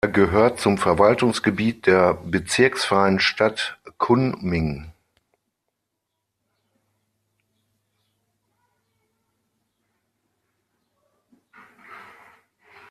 Er gehört zum Verwaltungsgebiet der bezirksfreien Stadt Kunming.